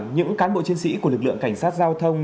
những cán bộ chiến sĩ của lực lượng cảnh sát giao thông